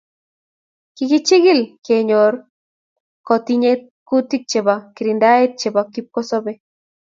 Kikichikil kenyor kotinyei kutik chebo kirindaet chebo kipkosobei